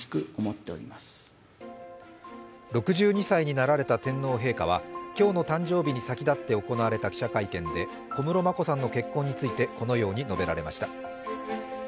６２歳になられた天皇陛下は今日の誕生日に先立って行われた記者会見で小室眞子さんの結婚についてこのように述べられました。